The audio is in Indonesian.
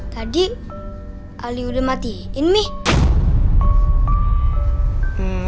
tadi ali udah matiin mi